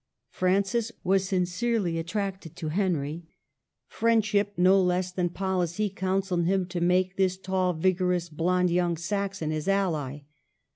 Francis was sincerely attracted to Henry. Friendship, no less than policy, counselled him to make this tall, vigorous, blond young Saxon his ally.